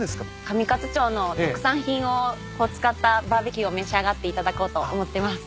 上勝町の特産品を使ったバーベキューを召し上がっていただこうと思ってます。